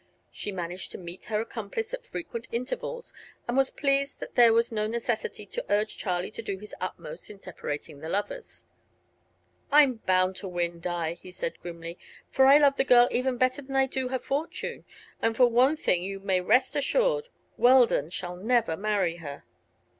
She managed to meet her accomplice at frequent intervals and was pleased that there was no necessity to urge Charlie to do his utmost in separating the lovers. "I'm bound to win, Di," he said grimly, "for I love the girl even better than I do her fortune. And of one thing you may rest assured; Weldon shall never marry her."